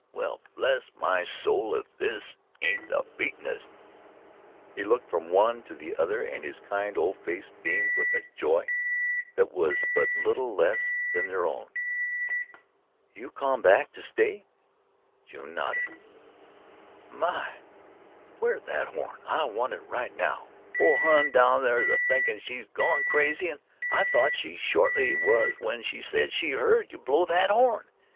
Well, bless my soul, if this ain't the beatenest " he looked from the one to the other and his kind old face beamed with a joy that was but little less than their own. "You come back to stay?" "My where's that horn? I want it right now, Ole Hon down thar is a thinkin' she's gone crazy and I thought she shorely was when she said she heard you blow that horn.